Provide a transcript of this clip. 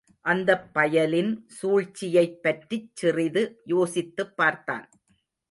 அந்தப் பயலின் சூழ்ச்சியைப் பற்றிச் சிறிது யோசித்துப் பார்த்தான்.